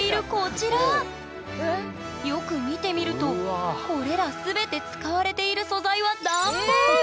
よく見てみるとこれら全て使われている素材はエグ！